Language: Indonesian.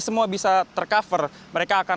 semua bisa tercover mereka akan